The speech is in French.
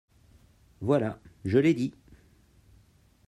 Voilà, je l’ai dit!